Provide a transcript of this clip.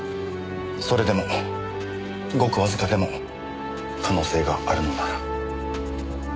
それでもごくわずかでも可能性があるのなら。